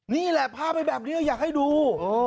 นี่แหละภาพไปแบบนี้อยากให้ดู